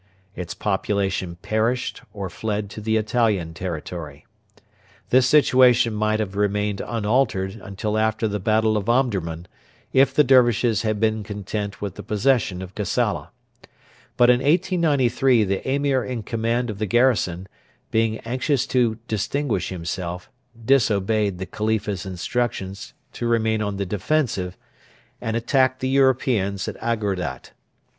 Its population perished or fled to the Italian territory. This situation might have remained unaltered until after the battle of Omdurman if the Dervishes had been content with the possession of Kassala. But in 1893 the Emir in command of the garrison, being anxious to distinguish himself, disobeyed the Khalifa's instructions to remain on the defensive and attacked the Europeans at Agordat.